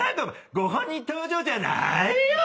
ご本人登場じゃないよお前！